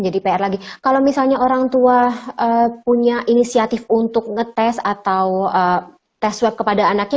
jadi kalau misalnya orang tua punya inisiatif untuk ngetes atau swab kepada anaknya